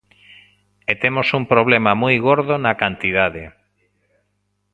E temos un problema moi gordo na cantidade.